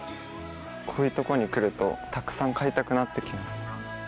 こういう所に来るとたくさん買いたくなって来ます。